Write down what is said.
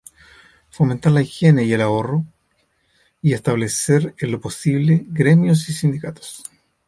Fomentar la higiene y el ahorro y establecer, en lo posible, gremios y sindicatos".